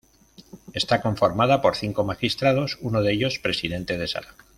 Está conformada por cinco magistrados, uno de ellos Presidente de Sala.